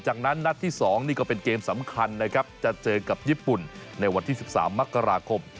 จากนั้นนัดที่๒นี่ก็เป็นเกมสำคัญนะครับจะเจอกับญี่ปุ่นในวันที่๑๓มกราคม